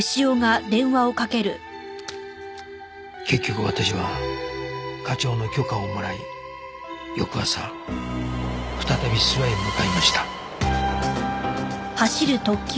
結局私は課長の許可をもらい翌朝再び諏訪へ向かいました